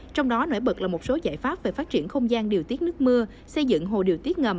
trong đó nổi bật là một số giải pháp về phát triển không gian điều tiết nước mưa xây dựng hồ điều tiết ngầm